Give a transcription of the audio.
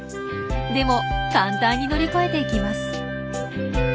でも簡単に乗り越えていきます。